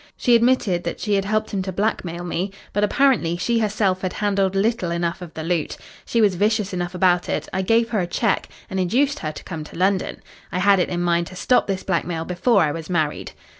She admitted that she had helped him to blackmail me, but apparently she herself had handled little enough of the loot. She was vicious enough about it. I gave her a cheque and induced her to come to London. I had it in mind to stop this blackmail before I was married.